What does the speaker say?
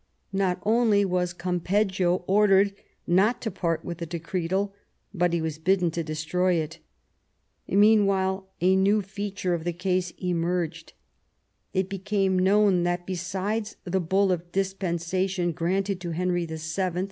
Not only was Campeggio ordered not to part with the decretal, but he was bidden to destroy it. Mean while a new feature of the case emerged. It became known that, besides the bull of dispensation granted to Henry VII.